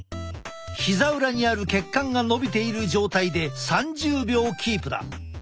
ひざ裏にある血管がのびている状態で３０秒キープだ。